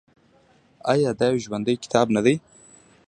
آیا دا یو ژوندی کتاب نه دی؟